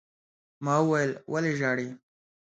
ما وويل: ولې ژاړې؟